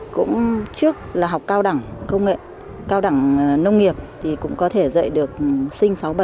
cũng trước là học cao đẳng công nghệ cao đẳng nông nghiệp thì cũng có thể dạy được sinh sáu bảy